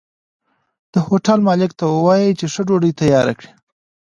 د هوټل مالک ته ووايه چې ښه ډوډۍ تياره کړي